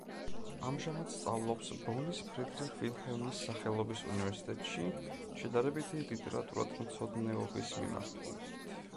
ამჟამად სწავლობს ბონის ფრიდრიხ-ვილჰელმის სახელობის უნივერსიტეტში, შედარებითი ლიტერატურათმცოდნეობის მიმართულებით.